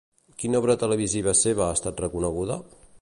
Quina obra televisiva seva ha estat reconeguda?